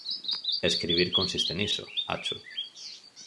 Escribir consiste niso, acho.